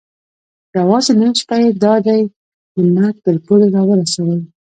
یوازې نن شپه یې دا دی د مرګ تر پولې را ورسولو.